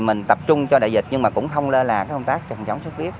mình tập trung cho đại dịch nhưng mà cũng không lơ là cái công tác cho phòng chống sốt huyết